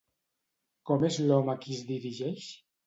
Com és l'home a qui es dirigeix?